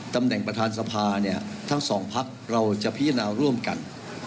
ตำแหน่งประธานสภาเนี่ยทั้งสองพักเราจะพิจารณาร่วมกัน